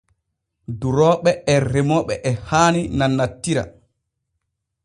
Durooɓe e remooɓe e haani nannantira.